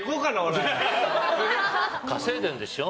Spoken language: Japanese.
稼いでるんでしょ？